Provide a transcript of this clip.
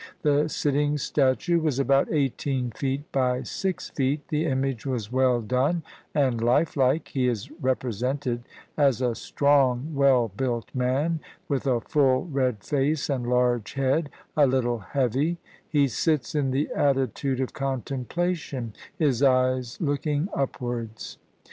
The sitting statue was about eighteen feet by six feet, the image was well done and lifelike; he is represented as a strong, well built man, with a full red face and large head, a little heavy; he sits in the attitude of contemplation, his eyes looking upwards.